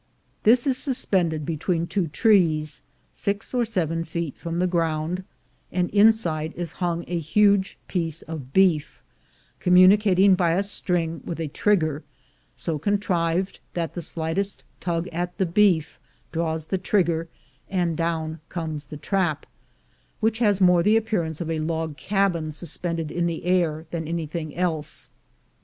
This is suspended between two trees, six or seven feet from the ground, and inside is hung a huge piece of beef, communicating by a string with a trigger, so contrived that the slightest tug at the beef draws the trigger, and down comes the trap, which has more the appearance of a log cabin sus pended in the air than anything else.